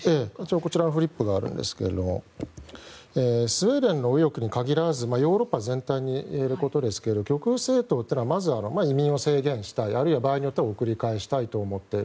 こちらにフリップがあるんですけれどもスウェーデンの右翼に限らずヨーロッパ全体に言えることですけど極右政党というのは移民を制限したいあるいは場合によっては送り返したいと思っている。